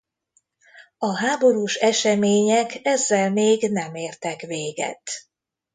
A háborús események ezzel még nem értek véget.